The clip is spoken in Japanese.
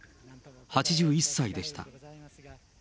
８１歳でした。